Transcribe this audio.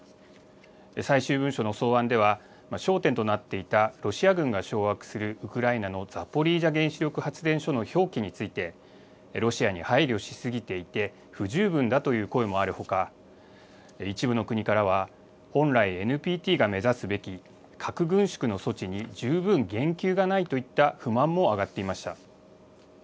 最終文書の草案では、焦点となっていた、ロシア軍が掌握するウクライナのザポリージャ原子力発電所の表記について、ロシアに配慮し過ぎていて、不十分だという声もあるほか、一部の国からは、本来、ＮＰＴが目指すべき核軍縮の措置に十分言及がないといった不満も上がっていました。